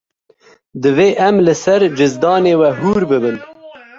Divê em li ser cizdanê we hûr bibin.